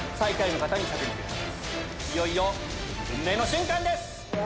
いよいよ運命の瞬間です！